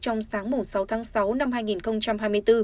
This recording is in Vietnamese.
trong sáng sáu tháng sáu năm hai nghìn hai mươi bốn